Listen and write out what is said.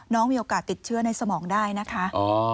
มีโอกาสติดเชื้อในสมองได้นะคะ